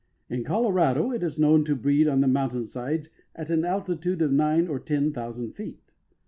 In Colorado it is known to breed on the mountain sides at an altitude of nine or ten thousand feet.